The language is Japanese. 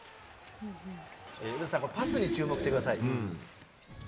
皆さん、このパスに注目してください。